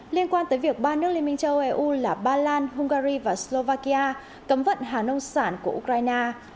liên quan tới việc ba nước liên minh châu âu là ba lan hungary và slovakia cấm vận hà nông sản của ukraine